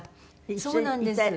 そうなんです。